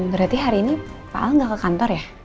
berarti hari ini pak al nggak ke kantor ya